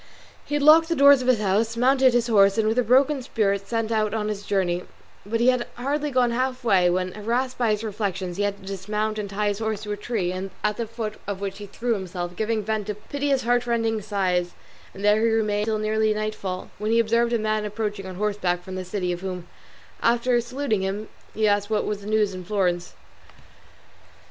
He locked the doors of his house, mounted his horse, and with a broken spirit set out on his journey; but he had hardly gone half way when, harassed by his reflections, he had to dismount and tie his horse to a tree, at the foot of which he threw himself, giving vent to piteous heartrending sighs; and there he remained till nearly nightfall, when he observed a man approaching on horseback from the city, of whom, after saluting him, he asked what was the news in Florence.